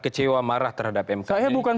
kecewa marah terhadap mk ya bukan